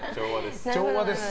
調和です。